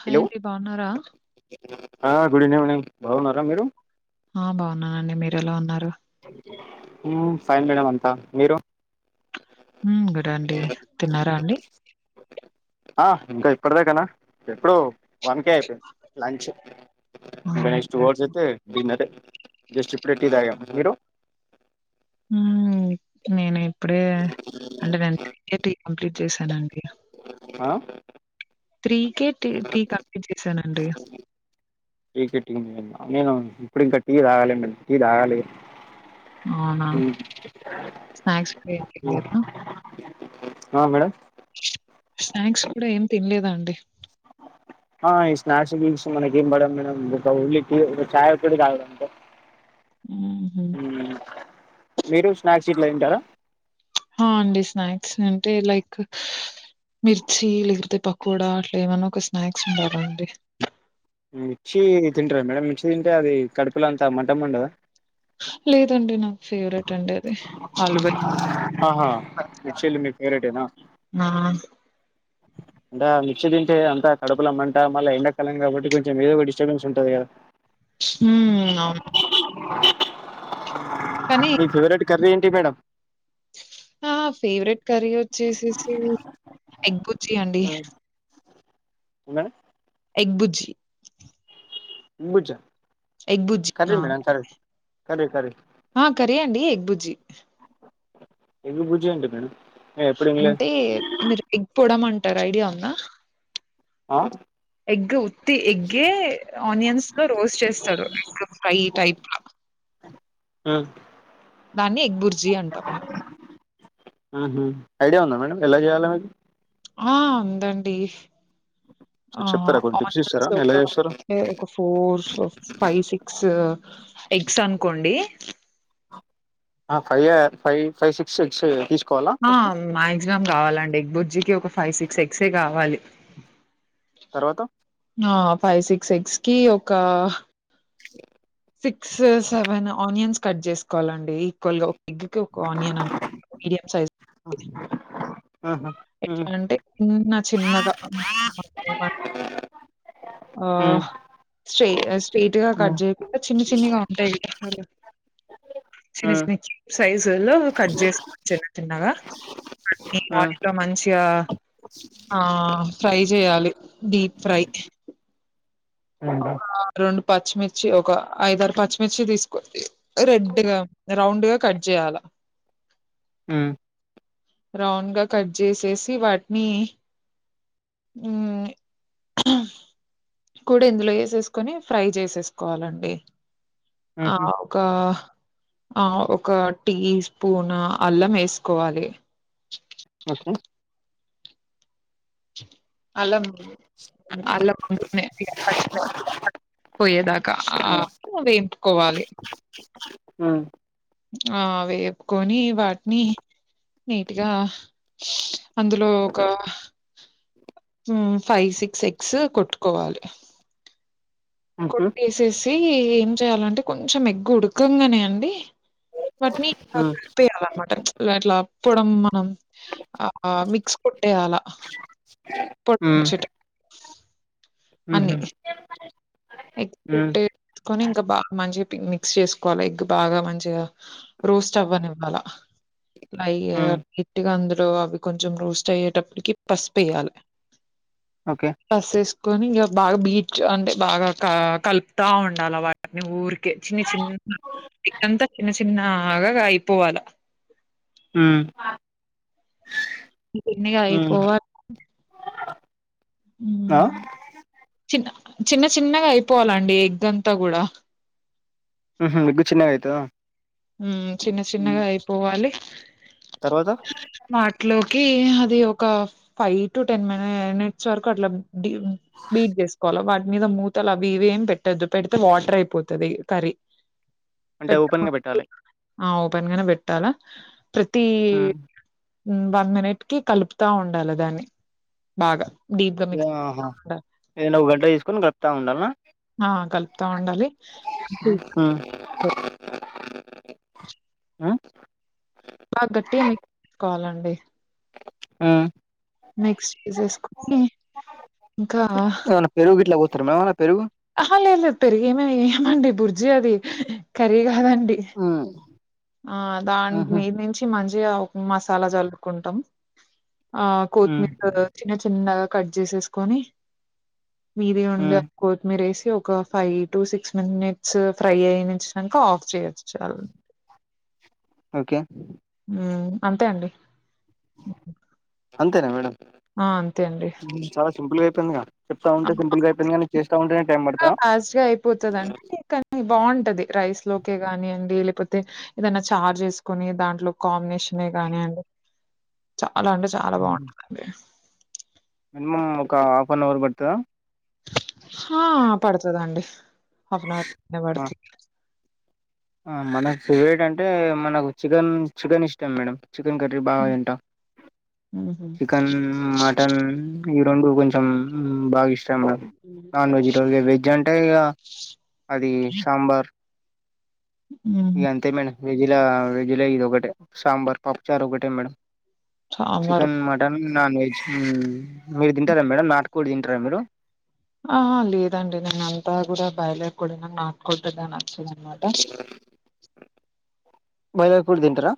Hi hello అండి బాగున్నారా? Good evening బాగున్నార మీరు ఆ బాగున్నానండి మీరు ఎలా ఉన్నారు ఫైన్ మేడం అంత మీరు గూడ అండి తిన్నారా అండి ఆ ఇంక [unintelligible] ఇప్పుడు వన్కే అయిపోయింది లంచ్ ఆ! ఇంక నెక్స్ట్ టూ అవర్స్ అయితే డిన్నరే [unintelligible] మీరు నేను ఇప్పుడే అంటే నేను కంప్లీట్ చేశానండి ఆ త్రీ కే కంప్లీట్ చేసానండి త్రి నేను ఇప్పుడు ఇంకా టీ తాగాలేం టీ తాగలే అవునా! స్నాక్స్ కూడా ఏం మ్మ్. తినలేదు. ఆ మేడం స్నాక్స్ కూడ ఏం తినలేదా అండి ఓ ఆ ఈ స్నాక్స్ గీక్సు మనకి ఏం పడ మేడం ఒక ఉల్లికి ఒక చాయ ఒక్కటి తాగుత అంతే హుహు. మీరు స్నాక్స్ గిట్ల తింటారా ఆ అండి స్నాక్స్ అంటే లైక్ మిర్చి లేకపోతే పకోడా అట్లా ఏమన్నా ఒక స్నాక్స్ ఉంటార అండి మిర్చి తింటార మేడం మిర్చి తింటే అది కడుపులంతా మంటమ్మండదా లేదండి నా ఫేవరేట్ అండి అది ఆహా మిర్చీలు మీ [unintelligible] ఫేవరెటేనా ఆ అంట మిక్చ తింటే అంత కడుపుల అమ్మంట మళ్ీ ఎండాకాలం కాబట్టి కొంచెం ఏదో స్టర్బెన్స్ ఉంటుంది కదా హు అవును కానీ మీ ఫేవరెట్ కర్రీ ఏంటి మేడం ఆ ఫేవరెట్ కర్రీ వచ్చేసేసి ఎగ్గు చీ అండి [unintelligible] ఎగ్బుజ్జి [unintelligible] ఎగ్ బుజ్జి curry madam curry curry curry ఆ కర్రీ ఎ అండి ఎగ్ బుజ్జి [unintelligible] అంటే మేడం నేను ఎప్పుడు వినలేదు అంటే మీరు ఎగ్పోడం అంటారు ఐడియా ఉందా ఆ ఎగ్ ఉత్తి ఎగ్గే ఆనియన్స్ లో రోస్ట్ చేస్తాడు ఎగ్ ఫ్రై టైప్ ఆ దాన్ని ఎగ్బుర్జీ అంటాం మేము ఆహ ఐడియా ఉందా మేడంమ్ ఎలా చేయాలనేది ఆ ఉందండి సో ఆహా చెప్తారా కొన్ని టిప్స్ ఇస్తారా ఆనియన్స్ ఎలా ఒక చేస్తారో ఒక ఫోర్ ఫైవ్ సిక్స్ ఎగ్స్ అనుకోండి ఆ five five five six eggs తీ ఆ మాయాక్సిమం కావాలండి ఎగ్ బుజ్జికి ఒక ఫైవ్ సిక్స్ ఎగ్సే కావాలి తర్వాత ఆ ఫైవ్ సిక్స్ ఎగ్స్ కి ఒక సిక్స్ సెవెన్ ఆనియన్స్ కట్ చేసుకోవాలండి ఈక్వల్ గా ఒక ఎగ్ కి ఒక ఆనియన్ మీడియం సైజ్వీ ఆహా హ్మ్ ఎట్లా అంటే చిన్న చిన్నగా ఏ ఆ హ్మ్ స్ట్ర స్ట్రైట్ గా కట్ హ్మ్ చేయకుండా చిన్ని చిన్నిగా ఉంటాయి కదా అలా చిన్న చిన్న సైజులు కట్ చేసుకోవచ్చు అంటున్నారా హ్మ్ [unintelligible] ఇంకా మంచిగా ఆ ఫ్రై చేయాలి డీప్ ఫ్రై హ్మ్ రెండు పచ్చిమిర్చి ఒక ఐదరు పచ్చిమిర్చి తీసుకు రెడ్డుగా రౌండ్ గా కట్ చేయాలా ఉ రౌండ్ గా కట్ చేసేసి వాటిని ఉ కూడా ఇందులో వేసేసుకొని ఫ్రై చేసేసుకోవాలండి హ్మ్ ఆ హ్మ్ ఒక ఆ ఒక టీ స్పూన్ అల్లం వేసుకోవాలి ఓకే అల్లం అల్లం పచ్చి పోయేదాకా ఆ వేంపుకోవాలి హామ్ ఆ వేపుకొని వాటిని నీట్గా అందులో ఒక ఫైవ్ సిక్స్ ఎక్స్ కొట్ కోవాలి హ్మ్ కొట్టేసేసి ఏం చేయాలంటే కొంచెం ఎగ్గు ఉడకంగానే అండి వాటిని హ్మ్ కలిపేయాలన్నమాట ఇట్లా పొడం మనం ఆ మిక్స్ కొట్టేయాల పొట్చిట్ ఉహు ఎగ్ కొట్టేసుకొని ఇంకా బాగా మంచిగా మిక్స్ చేసుకోవాలి ఎగ్ బాగా మంచిగా రోస్ట్ అవ్వని ఇవ్వాలా ఫ్రై హ్మ్ నీటిగా అందు అవి కొంచెం రోస్ట్ అయ్యేటప్పటికి పసుపేయ్యాలి ఓకే పసు ఇంగా బాగా బీట్ అంటే బాగా కలుపుతా ఉండాలి వాటిని ఊరికే చిన్న చిన్న ఎగ్ అంతా చిన్న చిన్న అగాగా అయిపోవాలా ఉ చిన్నగాయిపోవా ఆ చిన్న చిన్న చిన్నగా అయిపోవాలండి ఎగ్ అంతా గుడా ఎగ్గు చిన్నగా అయితదా ఉ చిన్న హ్మ్ చిన్నగా అయిపోవాలి తర్వాత వాటిలోకి అది ఒక ఫైవ్ టు టెన్ మినిట్స్ వరకు అట్లా బీట్ చేసుకోవాలి వాటి మీద మూతలు అవి ఇవి ఏం పెట్టొద్దు పెడితే వాటర్ అయిపోతుంది కరీ అంటే ఓపెన్ గా పెట్టాలి ఆ ఓపెన్ గానే పెట్టాలా ప్రతి హ్మ్ వన్ మినిట్ కి కలుపుతా ఉండాలి దాన్ని బాగా డీప్ గా మిక్స్ ఆహా ఉండాలి ఏదైనా ఒక గంట తీసుకొని కలుపుతా ఉండాలన ఆ కలుపుతా ఉండాలి ఆ బాగా గట్టిగా మీకు తీసుకోవాలండి [unintelligible] ఆ మిక్స్ చేసేసుకుని ఇంకా తమేమన్నా ప పెరుగు [unintelligible] ఆహా లేదు లేదు పెరిగే ఏయ్య మండి బుర్జి అది ఖర్రీ కాదండి ఆ దాని ఆహా మీద నుంచి మంచిగా ఒక మసాలా జల్లుకుంటాం ఆ హ్మ్ కొత్తిమీర చిన్న చిన్నగా కట్ చేసేసుకొని మీడియం లో ఉండి హ్మ్ [unintelligible] కొత్తిమీరే ఒక five to six minutes fry అయినిచ్చాక ఆఫ్ చేయచ్చు ఓకే ఉం అంతే అండి అంతేనా మేడమ్ ఆ అంతే అండి గా అయిపోయిందిగా చెప్తా ఉంటే సింపుల్ గా అయిపోయింది కానీ చేస్తా ఉంటేనే టైం ఇంకా పడతదా ఫాస్ట్ గా అయిపోతుందండి కానీ బాగుంట [unintelligible] రైస్ లోకే కానియండి లేకపోతే ఏదన్న చారు చేసుకొని దాంట్లోకి కాంబినేషన్ కానియండి అలా అంటే చాలా బాగుంటుందండి మినిమం ఒక హాఫ్ అన్ అవర్ పడుతదా హా పడుతదండి హఫ్న్ అవర్ ఆ పడుతుంది ఆ మనకు ఫేవరెట్ అంటే మనకు చికెన్ చికెన్ ఇష్టం మేడం చికెన్ కర్రీ బాగా హ్మ్. తింట హుహు. చికెన్ మటన్ రెండు కొంచెం బాగ ఇష్టం హ్మ్. నాన్ వెజ్ ఈ రోజు వెజ్ అంటే ఇక అది సాంబార్ హుహు. ఇగా అంతే మేడం వెజిలా వెజిలా ఇది ఒకటే సాంబార్ పపుచార్ ఒకటే madam sambar. Chicken mutton non veg ఉం మీరు తింటారా మేడం నాటు కూడా తింటారా మీరు ఆ అ లేదండి నేను అంతా కూడా బాయిలర్ కోడి నాటు కోడి పెద్దగా న నచ్చ దన మాట బాయిలర్ కోడి తింటారా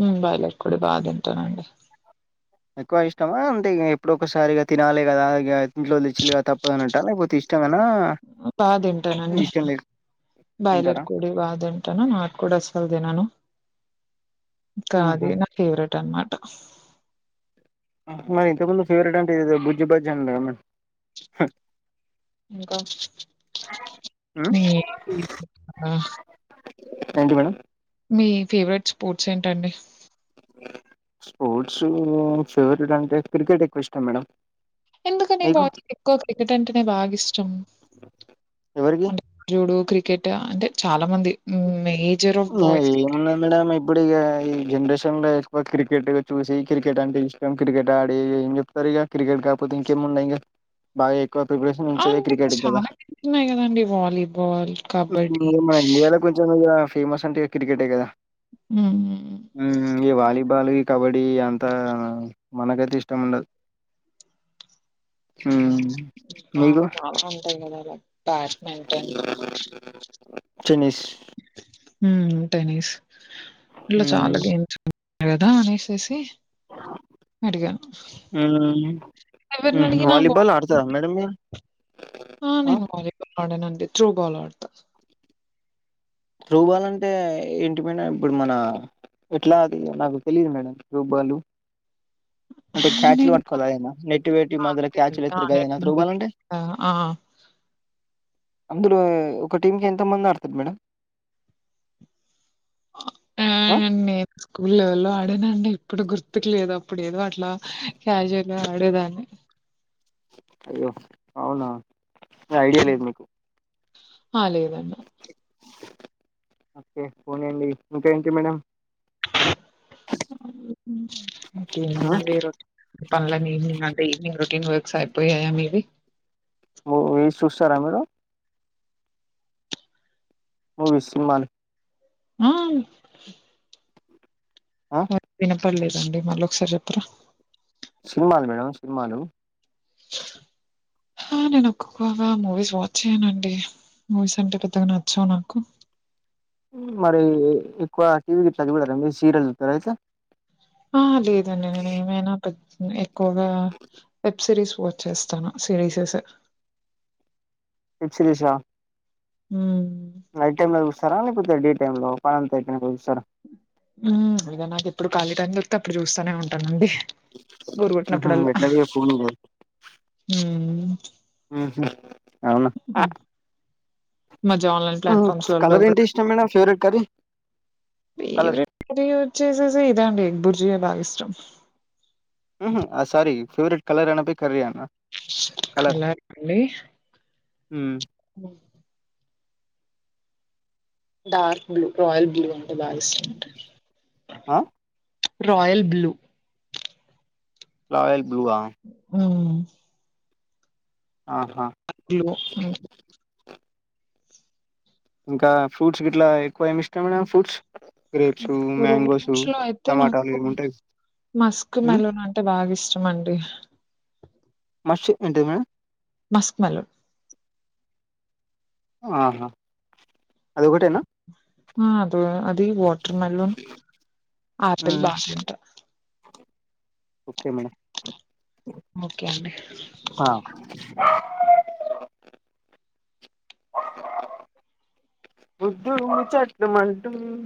ఉం బాయిలర్ కోడి బాగ తింటానండి ఎక్కువ ఇష్టమా అంటే ఎప్పుడొ ఒకసారిగా తినాలి కదా ఇంట్లో తెచ్చలి తప్పదంటా లేకపోతే ఇష్ట ఇష్టమేనా బాగ తింటానండి ఇష్టం లేక బాయిలర్ తింటారా కోడి బాగ తింటాను నాటు కోడి అస్సలు తినను మ్మ్ హు. అదే నా ఫేవరెట్ అన్నమాట మరి ఇంతకుందు ఫేవరెట్ అంటే ఎదో బుజ్జి బర్జి అన్నారు గా మేడం ఇంకా మ్మ్ థాంక్యూ మేడం మీ ఫేవరెట్ స్పోర్ట్స్ ఏంటండి స్పోర్ట్స్ ఫేవరెట్ అంటే క్రికెట్ ఎక్కువ ఇష్టం మేడం ఎందుకనీ మీకు బాయ్స్ కి ఎక్కువ క్రికెట్ అంటేనే బాగ ఇష్టం ఎవరికి అంటే జూడు క్రికెట్ అంటే చాలా మంది హ్మ్. మేజర్ ఆఫ్ బాయ్స్‌కి ఏమున్నది మేడమ్ ఇప్పుడు ఇక ఈ జనరేషన్ లో ఇ క్రికెట్గా చూసి క్రికెట్ అంటే ఇష్టం క్రికెట్ ఆడి ఏం చెప్తారు ఇక క్రికెట్ కాకపోతే ఇంకేంమున్నాయి ఇంక బా [unintelligible] ఆ! ప్రిపరేషన్ంచిేది అంటే క్రికెట్ కదా చాలా గేమ్స్ ఉన్నాయి గదండీ! వాలీబాల్, కబడ్డీ. మన ఇండియాలో కొంచెం ఇగ ఫేమస్ అంటే క్రికెట్ కదా హ్మ్. ఫుట్బాల్ ఇ కబడ్డీ అంతా మనకైతే ఇష్టం ఉండదు హ ఆ చాలా ఉంటాయి కదా అలా బ్యాడ్మింటన్ టెన్నిస్ హమ్ టెన్నిస్ ఇట్లా ఉమ్, చాలా గేమ్స్ ఉంటాయి కదా అనేసేసి అడిగాను. [unintelligible] ఉహు ఎవరినడిగినా బా వాలిబాల్ ఆడతారా మేడమ్ మీరు ఆ నేను వాలీబాల్ ఆడనండి త్రోబాల్ ఆడతా త్రోబాల్ అంటే ఏంటి మేడమ్ ఇప్పుడు మన ఎట్లా అది నాకు తెలీదు మేడం త్రో బాలు అంటే క్యాచ్లు నేనింకా పట్టుకోవాలి అదేనా నెట్ పెట్టీ ఆ! మధ్యలో అంతే అండి. క్యాచ్లు ఆ! ఎతూరు నెట్ కదా త్రో బాలు ఉంటది. అంటే ఆ! ఆ! అందరు ఒక టీం కి ఎంత మంది ఆడతారు మేడం ఆ అండ్ నేను స్కూల్ లెవెల్ లో ఆడనండి ఇప్పుడు గుర్తుకు లేదు అప్పుడు ఏదో అట్లా క్యాస్యువల్గా అ ఆడేదాన్నీ అయ్యో అవునా ఐడియా లేదు మీకు ఆ లేదండి ఓకే పోనియండి ఇంకా ఏంటి మేడం ఆ ఉమ్, ఇంకేముందండీ రొటీన్ అంటే పనులన్నీ ఈవనింగ్ రొటీన్ సరిపోయాయ మీవి ఓ రీల్స్ చూస్తారా మీరు మూవీస్ సినిమాలు ఆమ్ ఆ స వినపడలేదండి మళ్ళీ ఒకసారి చెప్పరా సినిమాలు మేడం సినిమాలు ఆ నేను ఎక్కువగా మూవీస్ వాచ్ చేయ్యానండి మూవీస్ అంటే పెద్దగా నచ్చవు నాకు మరి ఎక్కువ టీవీకి ఇట్లా చూడరా మీరు సీరియల్స్ చూస్తారా అయితే ఆ లేదండి నేను ఏమైనా పె [unintelligible] ఎక్కువగా సిరీస్ వాచ్ చేస్తాను సిరీసెస్ వెబ్ సిరీస్ ఆ హామ్ నైట్ టైమ్ లో చూస్తారా లేకపోతే డే టైం లో పనంతా అయిపోయినాక చూస్తారా ఇలా నాకు ఎప్పుడు ఖాళీ టైం దొరికితే అప్పుడు చూస్తానే ఉంటాను అండి బోర్ ఉహు కొట్టినప్పుడల్లా ఎట్లాగో ఫోన్ హమ్ ఉహు అవునా మధ్య ఆన్లైన్ ప్లాట్ఫామ్స్ లలో కలర్ ఏంటి ఇష్టం madam favourite curry favourite curry వచ్చేసేసి ఇదాండి ఎగ్ బుర్జియా బాగా ఇష్టం ఉహు సారీ ఫేవరెట్ కలర్ అనబోయి కర్రి అన్నా కలర్ అండి హు [inaudible] డార్క్ బ్లూ రాయల్ బ్లూ అంటే బాగా ఇష్టం ఆ రాయల్ బ్లూ రాయల్ బ్లూ ఆ [inaudible] ఆహా అ [unintelligible] ఇంకా ఫ్రూట్స్ ఇట్లా ఎక్కువ ఏమి ఇష్టాం మేడమ్ ఫ్రూట్స్ గ్రేప్సు మ్యాంగోసు ఫ్రూట్స్‌లో అయితే టమాటాలు నాకు ఇవి ఉంటాయి మస్క్ ఉమ్ మెలన్ అంటే బాగా ఇష్టం అండి మస్త ఏంటది మేడం మస్క్ మెలన్ ఆహా అది ఒకటేనా ఆ అద అది బట్ మలూన్ ఆపిల్ ఉమ్, బాగా తింట ఓకే మేడం ఓకే అండి [unintelligible]